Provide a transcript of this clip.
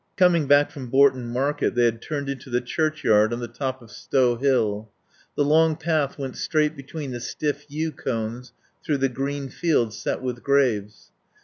Coming back from Bourton market they had turned into the churchyard on the top of Stow hill. The long path went straight between the stiff yew cones through the green field set with graves.